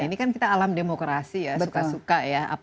ini kan kita alam demokrasi ya suka suka ya